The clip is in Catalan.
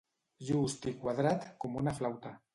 Just i quadrat com una flauta.